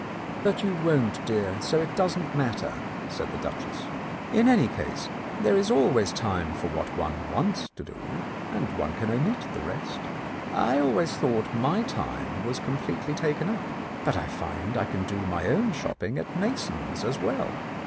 "But you won't, dear, so it doesn't matter," said the Duchess. " In any case, there is always time for what one wants to do, and one can omit the rest. I always thought my time was completely taken up, but I find I can do my own shopping at Mason's as well.